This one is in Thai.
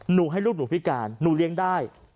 ให้ลูกหนูพิการหนูเลี้ยงได้